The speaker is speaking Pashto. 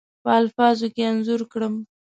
په الفاظو کې انځور کړم.